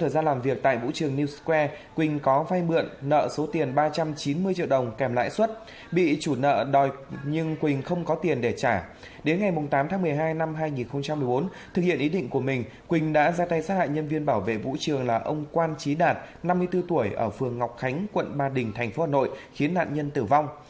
đến ngày tám tháng một mươi hai năm hai nghìn một mươi bốn thực hiện ý định của mình quỳnh đã ra tay sát hại nhân viên bảo vệ vũ trường là ông quan trí đạt năm mươi bốn tuổi ở phường ngọc khánh quận ba đình thành phố hà nội khiến nạn nhân tử vong